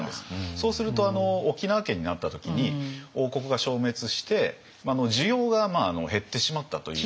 そうすると沖縄県になった時に王国が消滅して需要が減ってしまったというのが。